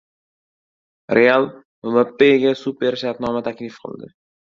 "Real" Mbappega super shartnoma taklif qildi